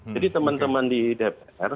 jadi teman teman di dpr